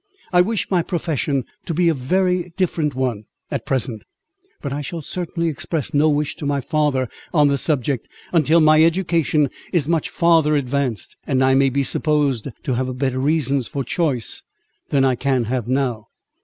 I wish my profession to be a very different one, at present; but I shall certainly express no wish to my father on the subject, until my education is much farther advanced, and I may be supposed to have better reasons for choice than I can have now."